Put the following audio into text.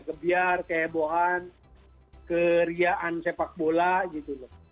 kebiar kehebohan keriaan sepak bola gitu loh